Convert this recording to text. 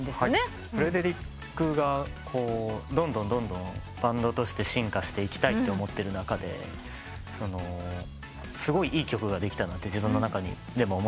フレデリックがどんどんどんどんバンドとして進化していきたいと思ってる中ですごいいい曲ができたなって自分の中で思ってたんです。